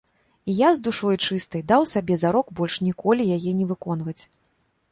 І я, з душой чыстай, даў сабе зарок больш ніколі яе не выконваць.